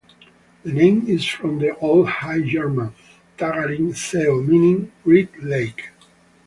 The name is from the Old High German "tegarin seo", meaning "great lake".